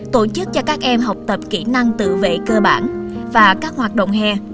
tổ chức cho các em học tập kỹ năng tự vệ cơ bản và các hoạt động hè